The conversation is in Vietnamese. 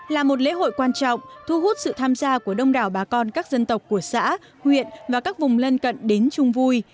là một lễ hội quan trọng thu hút sự tham gia của đông đảo bà con các dân tộc của xã huyện và các vùng lân cận đến chung vui